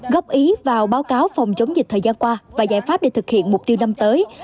góp ý vào báo cáo phòng chống dịch thời gian qua và giải pháp để thực hiện mục tiêu năm tới